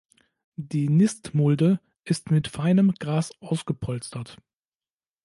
Die Nistmulde ist mit feinem Gras ausgepolstert.